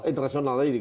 eh internasional ya